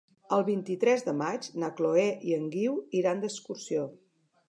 El vint-i-tres de maig na Chloé i en Guiu iran d'excursió.